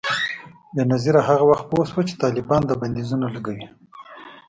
بېنظیره هغه وخت څه پوه شوه چي طالبان دا بندیزونه لګوي؟